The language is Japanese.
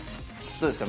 どうですか？